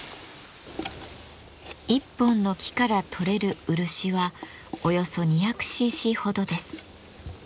一本の木からとれる漆はおよそ２００ｃｃほどです。